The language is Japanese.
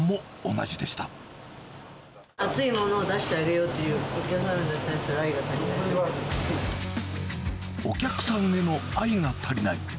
熱いものを出してあげようっていう、お客さんへの愛が足りない。